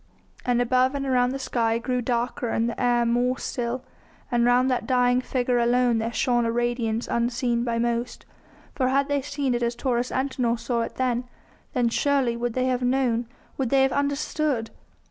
And above and around the sky grew darker and the air more still, and round that dying figure alone there shone a radiance unseen by most; for had they seen it as Taurus Antinor saw it then, then surely would they have known, would they have understood.